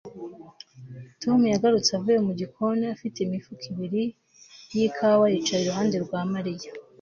Tom yagarutse avuye mu gikoni afite imifuka ibiri yikawa yicara iruhande rwa Mariya